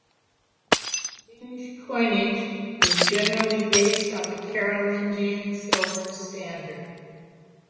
Danish coinage was generally based on the Carolingian silver standard.